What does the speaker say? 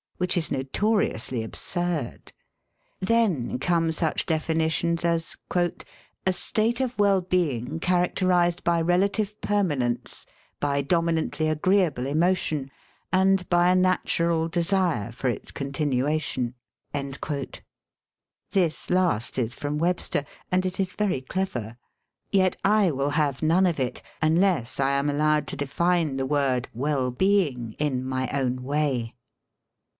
Which is notoriously absurd. Then come such definitions as "a state of well being characterised by relative permanence, by domi nantly agreeable emotion ... and by a natural desire for its continuation." This last is from RUNNING AWAY FROM LIFE 21 Webster, and it is very clever. Yet I will have none of it, unless I am allowed to d^ne the word "well being" in my own way.